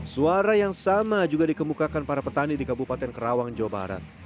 suara yang sama juga dikemukakan para petani di kabupaten kerawang jawa barat